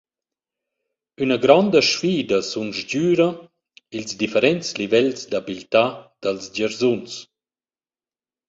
Üna gronda sfida sun sgüra ils differents livels d’abilità dals giarsuns.